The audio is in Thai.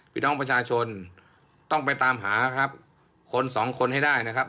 พี่น้องประชาชนต้องไปตามหาครับคนสองคนให้ได้นะครับ